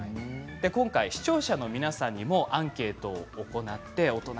今回、視聴者の皆さんにもアンケートを行いました。